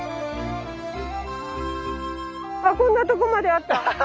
あこんなとこまであった！